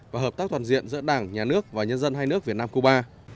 và hợp tác toàn diện giữa đảng nhà nước và nhân dân hai nước việt nam cuba